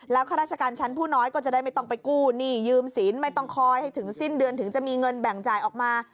ข้าราชการชั้นผู้น้อยก็จะได้ไม่ต้องไปกู้หนี้ยืมศีลไม่ต้องคอยให้ถึงสิ้นเดือนถึงจะมีเงินแบ่งจ่ายออกมา